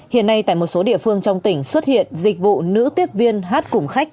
hiện nay tại một số địa phương trong tỉnh xuất hiện dịch vụ nữ tiếp viên hát cùng khách